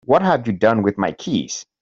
What have you done with my keys?